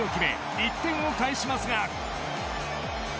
１点を返しますが。